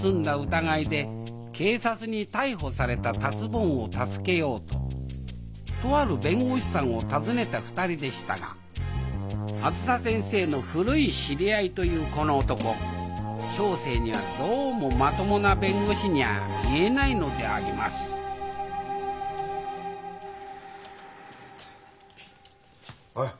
疑いで警察に逮捕された達ぼんを助けようととある弁護士さんを訪ねた２人でしたがあづさ先生の古い知り合いというこの男小生にはどうもまともな弁護士にゃあ見えないのでありますおい。